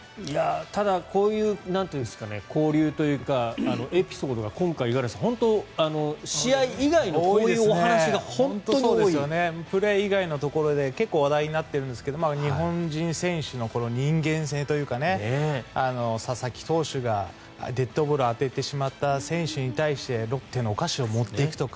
ただ、こういう交流というかエピソードが今回、五十嵐さん試合以外のこういうお話がプレー以外のところで結構話題になっているんですけど日本人選手の人間性というか佐々木投手がデッドボールを当ててしまった選手に対してロッテのお菓子を持っていくとか。